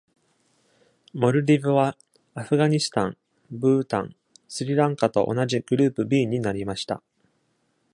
モルディブはアフガニスタン、ブータン、スリランカと同じグループ B になりました。